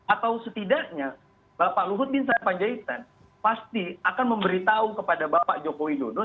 atau setidaknya bapak luhut bin sarpanjaitan pasti akan memberi tahu kepada bapak jokowi dodo